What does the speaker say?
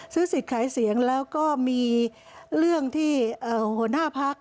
สิทธิ์ขายเสียงแล้วก็มีเรื่องที่หัวหน้าพัก